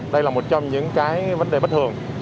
đây là một trong những vấn đề bất thường